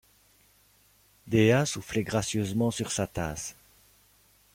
Dea soufflait gracieusement sur sa tasse.